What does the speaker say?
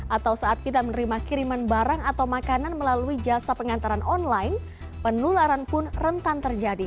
atau saat kita menerima kiriman barang atau makanan melalui jasa pengantaran online penularan pun rentan terjadi